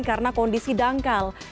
karena kondisi dangkal